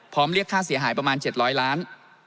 เรียกค่าเสียหายประมาณ๗๐๐ล้าน